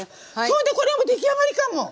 そんでこれ出来上がりかもう！